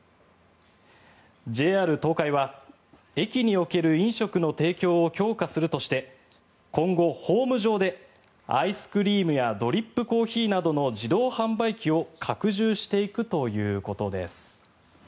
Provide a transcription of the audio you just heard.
ＪＲ東海は駅における飲食の提供を強化するとして今後、ホーム上でアイスクリームやドリップコーヒーなどの自動販売機を拡充していくということです。